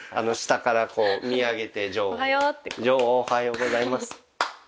女王おはようございます。